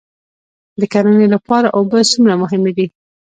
د کرنې لپاره اوبه څومره مهمې دي؟